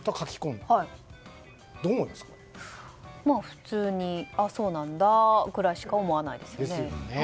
普通に、ああそうなんだくらいしか思わないですよね。